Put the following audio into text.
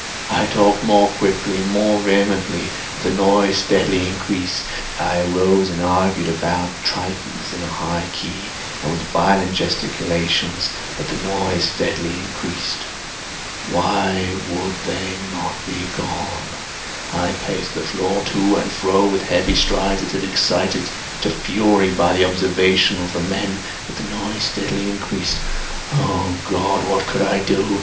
I talked more quickly—more vehemently; but the noise steadily increased. I arose and argued about trifles, in a high key and with violent gesticulations; but the noise steadily increased. Why would they not be gone? I paced the floor to and fro with heavy strides, as if excited to fury by the observations of the men—but the noise steadily increased. Oh God! what could I do?